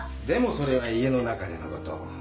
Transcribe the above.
でもそれは家の中でのこと。